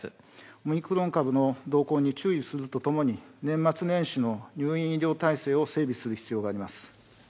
オミクロン株の動向に注意するとともに、年末年始の入院医療体制を整備する必要があります。